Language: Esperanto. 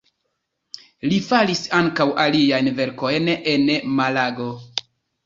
Li faris ankaŭ aliajn verkojn en Malago.